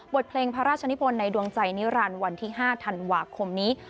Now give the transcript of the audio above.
เพลงพระราชนิพลในดวงใจนิรันดิ์วันที่๕ธันวาคมนี้